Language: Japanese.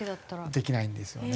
できないんですよね